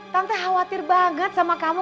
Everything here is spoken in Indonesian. tante khawatir banget sama kamu